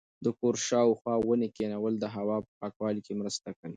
د کور شاوخوا ونې کښېنول د هوا په پاکوالي کې مرسته کوي.